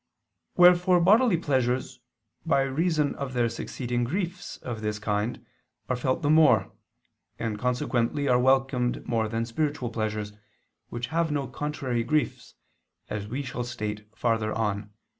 Wherefore bodily pleasures, by reason of their succeeding griefs of this kind, are felt the more, and consequently are welcomed more than spiritual pleasures, which have no contrary griefs, as we shall state farther on (Q.